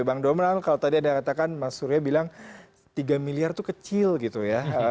bang domral kalau tadi anda katakan mas surya bilang tiga miliar itu kecil gitu ya